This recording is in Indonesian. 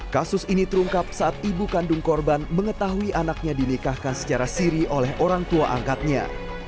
kasus ini terungkap saat ibu kandung korban mengetahui anaknya dinikahkan secara siri oleh orang tua angkatnya